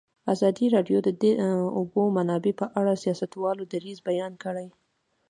ازادي راډیو د د اوبو منابع په اړه د سیاستوالو دریځ بیان کړی.